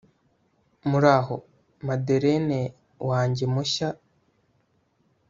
muraho, madeleine wanjye mushya